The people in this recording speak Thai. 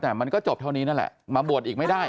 แต่มันก็จบเท่านี้นั่นแหละมาบวชอีกไม่ได้